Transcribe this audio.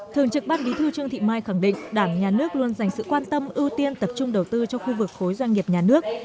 thường trực ban bí thư trương thị mai khẳng định đảng nhà nước luôn dành sự quan tâm ưu tiên tập trung đầu tư cho khu vực khối doanh nghiệp nhà nước